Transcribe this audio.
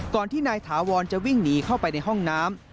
ที่นายถาวรจะวิ่งหนีเข้าไปในห้องน้ำ